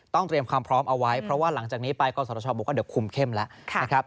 เตรียมความพร้อมเอาไว้เพราะว่าหลังจากนี้ไปกศชบอกว่าเดี๋ยวคุมเข้มแล้วนะครับ